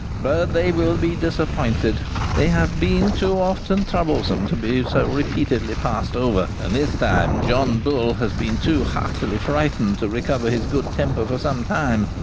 But they will be disappointed; they have been too often troublesome to be so repeatedly passed over, and this time John Bull has been too heartily frightened to recover his good humour for some time.